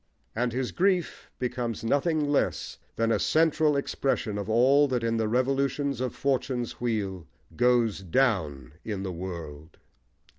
And his grief becomes nothing less than a central expression of all that in the revolutions of Fortune's wheel goes down in the world.